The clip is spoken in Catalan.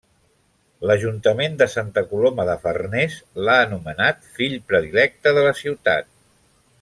L'Ajuntament de Santa Coloma de Farners l'ha anomenat fill predilecte de la ciutat.